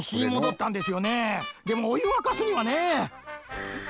でもおゆわかすにはね。